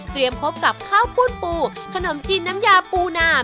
พบกับข้าวปูดปูขนมจีนน้ำยาปูนา